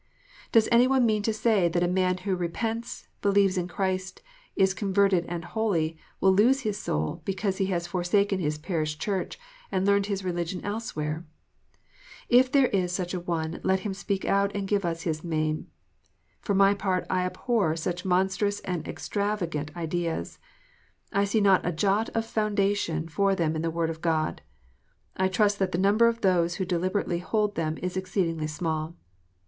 Does any one mean to say that a man who repents, believes in Christ, is converted and holy, will lose his soul, because he has forsaken his parish church and learned his religion elsewhere ? If there is such an one, let him speak out, and give us his name. For my part I abhor such monstrous and extravagant ideas. I see not a jot of foundation for them in the Word of God. I trust that the number of those who deliberately hold them is exceedingly small.